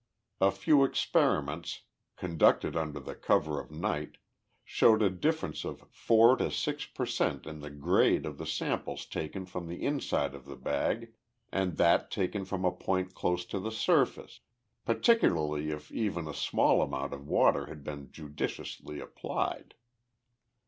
A few experiments, conducted under the cover of night, showed a difference of four to six per cent in the grade of the samples taken from the inside of the bag and that taken from a point close to the surface, particularly if even a small amount of water had been judiciously applied.